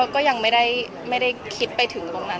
ก็ยังไม่ได้คิดไปถึงตรงนั้น